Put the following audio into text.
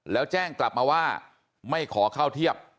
แล้วแจ้งกลับมาว่าไม่ขอเข้าเทียบ